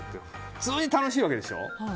普通に楽しいわけでしょ。